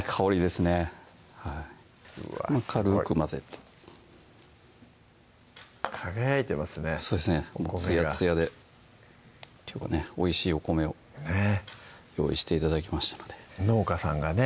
すごい軽く混ぜて輝いてますねそうですねつやつやでおいしいお米を用意して頂きましたので農家さんがね